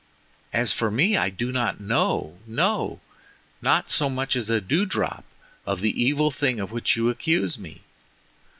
As for me I do not know—no, not so much as a dew drop, of the evil thing of which you accuse me."